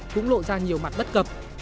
cũng lộ ra nhiều mặt bất cập